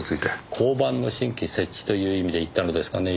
交番の新規設置という意味で言ったのですがねぇ。